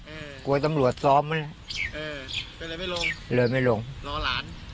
เออกลัวตำรวจซ้อมมาแล้วเออเป็นไรไม่ลงเลยไม่ลงร้อน